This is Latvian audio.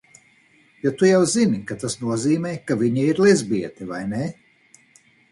Jo tu jau zini, ka tas nozīmē, ka viņa ir lezbiete, vai ne?